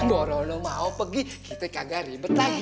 borono mau pergi kita gak ribet lagi